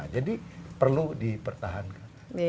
jadi perlu dipertahankan